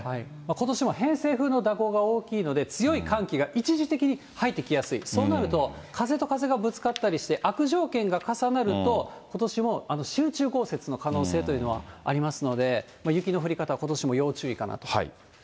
ことしも偏西風の蛇行が大きいので、強い寒気が一時的に入ってきやすい、そうなると、風と風がぶつかったりして、悪条件が重なると、ことしも集中豪雪の可能性というのはありますので、雪の降り方はことしも要注意かなと。